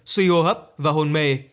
suy hô hấp và hôn mê